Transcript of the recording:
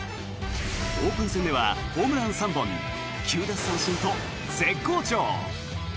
オープン戦ではホームラン３本９奪三振と絶好調。